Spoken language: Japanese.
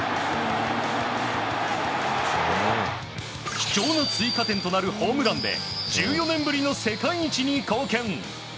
貴重な追加点となるホームランで１４年ぶりとなる世界一に貢献。